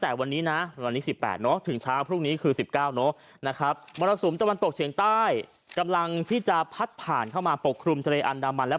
แล้วที่จะได้ดีกว่าคือนำมันระบายไปทั้งหมดครับอ่า